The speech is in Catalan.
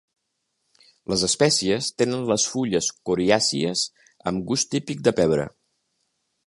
Les espècies tenen les fulles coriàcies amb gust típic de pebre.